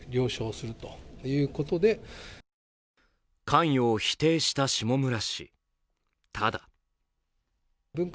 関与を否定した下村氏。